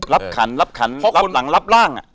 รับขันสิรับขันรับขันรับหลังรับร่าง